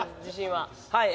はい。